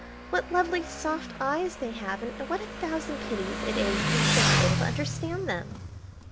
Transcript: What lovely soft eyes they have, and what a thousand pities it is we shan't be able to understand them."